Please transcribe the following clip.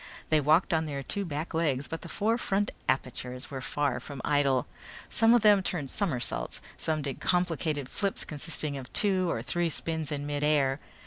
They walked on their two back legs but the four front apertures were far from idle. Some of them turned somersaults, others did complicated flips consisting of two or three spins in mid air.